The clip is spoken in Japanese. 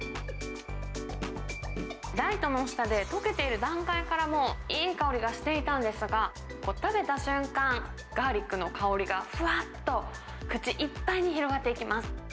ライトの下で溶けている段階からもう、いい香りがしていたんですが、食べた瞬間、ガーリックの香りがふわっと口いっぱいに広がっていきます。